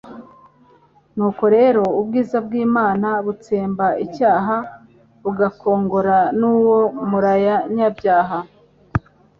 Nuko rero ubwiza bw'Imana butsemba icyaha bugakongora n'uwo muruyabyaha.